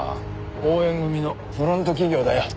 鳳炎組のフロント企業だよ。